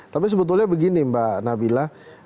tapi sebetulnya begini mbak nabila